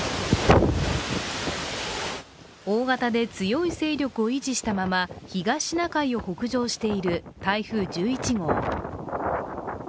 大型で強い勢力を維持したまま東シナ海を北上している台風１１号。